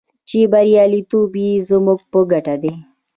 چې بریالیتوب یې زموږ په ګټه دی.